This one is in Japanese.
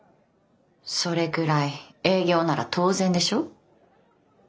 それくらい営業なら当然でしょ。